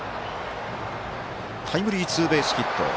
タイムリーツーベースヒット。